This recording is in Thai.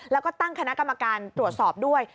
แล้วก็ตั้งคณะกรรมการตรวจสอบด้วย